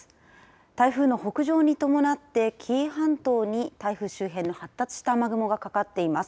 台風の北上に伴って紀伊半島に台風周辺の発達した雨雲がかかっています。